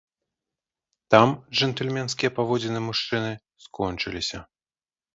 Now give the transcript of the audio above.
Там джэнтльменская паводзіны мужчыны скончылася.